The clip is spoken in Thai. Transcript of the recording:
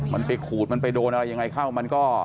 มันไปขูดมันไปโดนอะไรยังไงเข้ามันก็